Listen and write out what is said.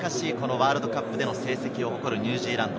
ワールドカップでの成績を誇るニュージーランド。